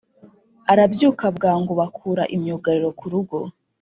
arabyuka bwangu bakura imyugariro kurugo